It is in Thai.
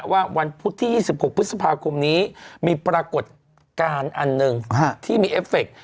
วันพุธที่๒๖พฤษภาคมนี้มีปรากฏการณ์อันหนึ่งที่มีเอฟเฟค